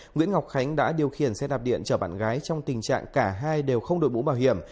nguyễn ngọc khánh đã điều khiển xe đạp điện chở bạn gái trong tình trạng cả hai đều không đội bũ bảo hiểm